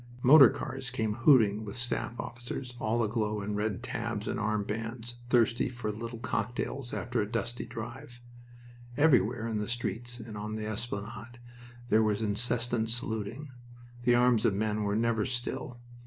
Motor cars came hooting with staff officers, all aglow in red tabs and armbands, thirsty for little cocktails after a dusty drive. Everywhere in the streets and on the esplanade there was incessant saluting. The arms of men were never still.